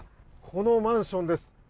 このマンションです。